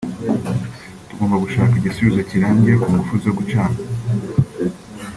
tugomba gushaka igisubizo kirambye ku ngufu zo gucana